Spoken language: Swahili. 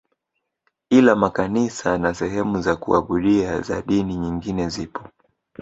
Ila makanisa na sehemu za kuabudia za dini nyingine zipo